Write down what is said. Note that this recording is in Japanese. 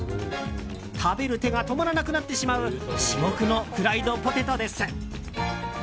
食べる手が止まらなくなってしまう至極のフライドポテトです。